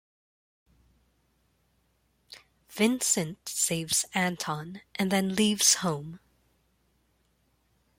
Vincent saves Anton and then leaves home.